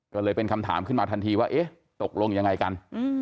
ก็เลยเป็นคำถามขึ้นมาทันทีว่าเอ๊ะตกลงยังไงกัน